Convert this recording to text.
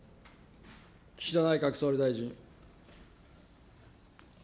岸田内閣総理大臣。